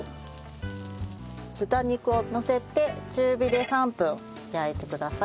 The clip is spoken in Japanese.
豚肉をのせて中火で３分焼いてください。